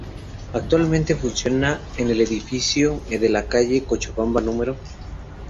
Actualmente funciona en el edificio de la calle Cochabamba No.